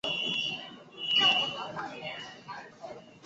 空军一号也会载运总统座车直接送达目的地给总统乘坐。